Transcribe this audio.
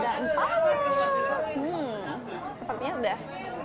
hmm sepertinya udah